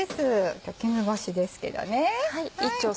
今日絹ごしですけどね。